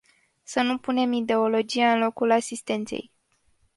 Să nu punem ideologia în locul asistenței.